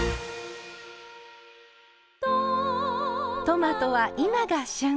トマトは今が旬。